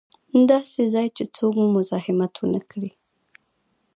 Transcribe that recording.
داسې ځای چې څوک مو مزاحمت و نه کړي.